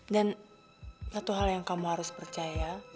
dan satu hal yang kamu harus percaya